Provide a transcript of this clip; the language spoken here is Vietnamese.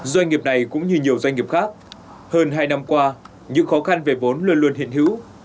doanh nghiệp này cũng như nhiều doanh nghiệp khác hơn hai năm qua những khó khăn về vốn luôn luôn hiện hữu